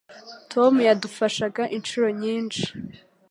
Tom yadufashaga inshuro nyinshi.